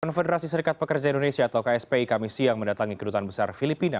konfederasi serikat pekerja indonesia atau kspi kami siang mendatangi kedutaan besar filipina